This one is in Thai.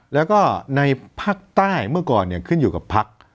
แล้วก็ในภาคใต้เมื่อก่อนขึ้นอยู่กับพัก